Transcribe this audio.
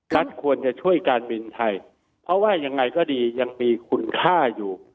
รัฐควรจะช่วยการบินไทยเพราะว่ายังไงก็ดียังมีคุณค่าอยู่